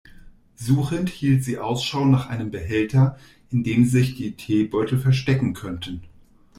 Suchend hielt sie Ausschau nach einem Behälter, in dem sich die Teebeutel verstecken könnten.